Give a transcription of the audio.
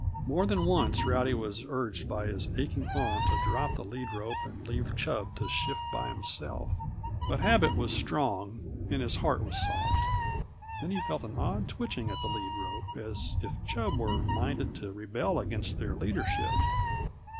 More than once Rowdy was urged by his aching arm to drop the lead rope and leave Chub to shift by himself, but habit was strong and his heart was soft. Then he felt an odd twitching at the lead rope, as if Chub were minded to rebel against their leadership.